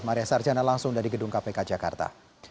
maria sarjana langsung dari gedung kpk jakarta